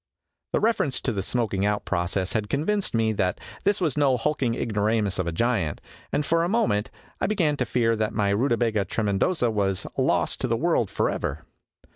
The reference to the smoking out process had convinced me that this was no hulking ignoramus of a giant, and for a moment I began to fear that my Rutabaga Trcmcndosa was lost to the world forever.